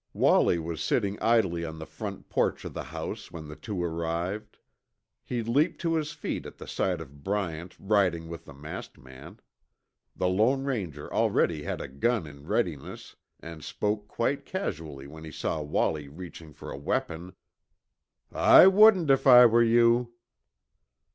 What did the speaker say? Wallie was sitting idly on the front porch of the house when the two arrived. He leaped to his feet at the sight of Bryant riding with the masked man. The Lone Ranger already had a gun in readiness, and spoke quite casually when he saw Wallie reaching for a weapon. "I wouldn't if I were you."